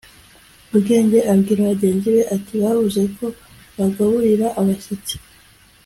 bwenge abwira bagenzi be ati "bavuze ko bagaburira abashyitsi